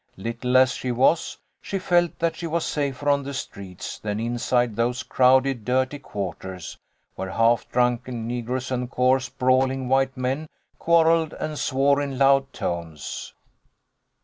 Little as she was, she felt that she was safer on the streets than inside those crowded, dirty quarters, where half drunken negroes and coarse, brawling white men quarrelled and swore in loud tones.